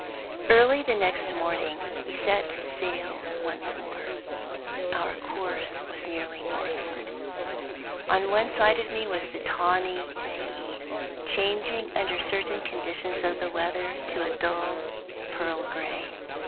Early the next morning we set sail once more. Our course was nearly northward. On one side of me was the tawny sea, changing under certain conditions of the weather to a dull pearl gray.